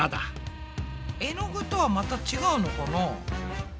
絵の具とはまた違うのかな？